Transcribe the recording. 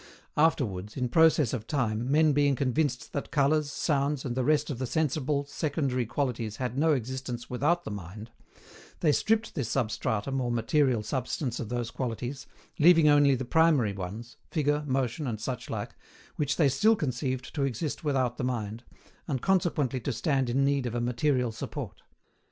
Afterwards, in process of time, men being convinced that colours, sounds, and the rest of the sensible, secondary qualities had no existence without the mind, they stripped this substratum or material substance of those qualities, leaving only the primary ones, figure, motion, and suchlike, which they still conceived to exist without the mind, and consequently to stand in need of a material support.